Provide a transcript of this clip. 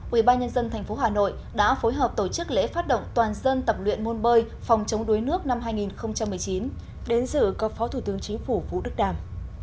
ubnd tp hà nội đã phối hợp tổ chức lễ phát động toàn dân tập luyện môn bơi phòng chống đuối nước năm hai nghìn một mươi chín đến dự có phó thủ tướng chính phủ vũ đức đàm